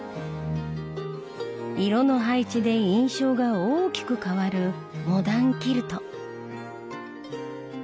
色の配置で印象が大きく変わるモダンキルト。